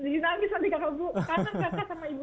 dihangis adik adik kamu